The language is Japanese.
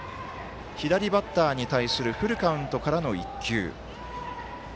左バッターに対するフルカウントからの１球。